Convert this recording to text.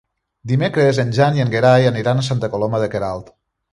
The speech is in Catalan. Dimecres en Jan i en Gerai aniran a Santa Coloma de Queralt.